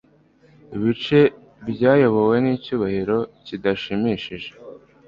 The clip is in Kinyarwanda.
Ibice byayobowe nicyubahiro kidashimishije